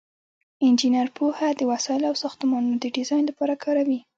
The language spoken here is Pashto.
انجینر پوهه د وسایلو او ساختمانونو د ډیزاین لپاره کاروي.